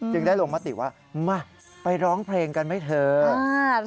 ได้ลงมติว่ามาไปร้องเพลงกันไหมเถอะ